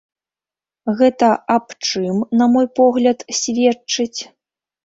Гэта аб чым, на мой погляд, сведчыць?